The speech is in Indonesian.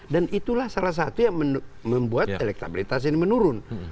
dan itulah salah satu yang membuat elektabilitas ini menurun